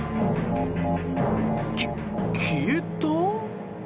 き、消えた？